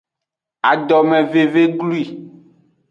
Adomeveve glwi.